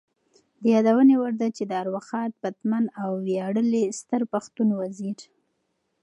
د یادونې وړ ده چې د ارواښاد پتمن او ویاړلي ستر پښتون وزیر